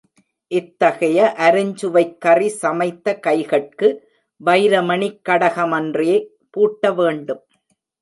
இத்தகைய அருஞ் சுவைக்கறி சமைத்த கைகட்கு வைரமணிக் கடகமன்றே பூட்டவேண்டும்!